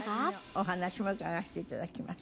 お話も伺わせて頂きます。